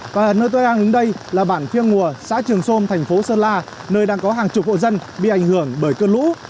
còn nơi tôi đang đứng đây là bản phiêng mùa xã trường thành phố sơn la nơi đang có hàng chục hộ dân bị ảnh hưởng bởi cơn lũ